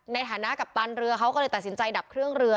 ในฐานะกัปตันเรือเขาก็เลยตัดสินใจดับเครื่องเรือ